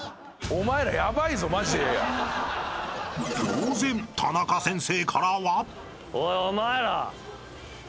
［当然タナカ先生からは］